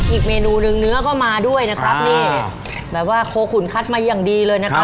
อีกเมนูหนึ่งเนื้อก็มาด้วยนะครับนี่แบบว่าโคขุนคัดมาอย่างดีเลยนะครับ